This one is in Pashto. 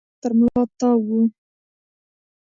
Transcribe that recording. لاسونه مې ستا تر ملا تاو و